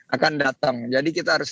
akan datang jadi kita harus